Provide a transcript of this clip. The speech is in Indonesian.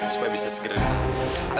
supaya bisa segera datang